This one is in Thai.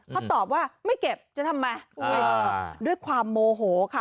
เขาตอบว่าไม่เก็บจะทำไมด้วยความโมโหค่ะ